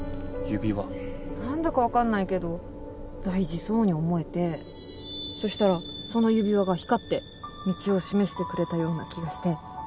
何だかわかんないけど大事そうに思えてそしたらその指輪が光って道を示してくれたような気がして。